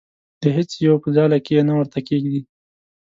د هیڅ یو په ځاله کې یې نه ورته کېږدي.